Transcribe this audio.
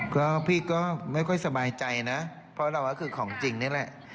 ก็พี่ก็ไม่ค่อยสบายใจนะเพราะเราก็คือของจริงนี่แหละ